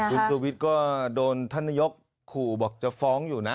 คุณชูวิทย์ก็โดนท่านนายกขู่บอกจะฟ้องอยู่นะ